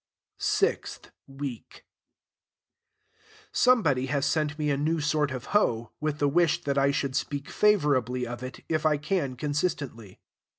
SIXTH WEEK Somebody has sent me a new sort of hoe, with the wish that I should speak favorably of it, if I can consistently.